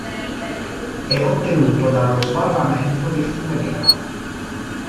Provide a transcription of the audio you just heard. È ottenuto dallo sbarramento del fiume Nera.